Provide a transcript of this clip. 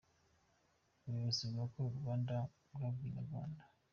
Ubuyobozi bwa Call Rwanda bwabwiye Inyarwanda.